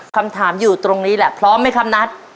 คำถามอยู่ตรงนี้แหละพร้อมไหมครับนัท